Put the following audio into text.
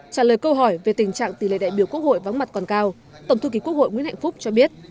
trả lời câu hỏi về tình trạng tỷ lệ đại biểu quốc hội vắng mặt còn cao tổng thư ký quốc hội nguyễn hạnh phúc cho biết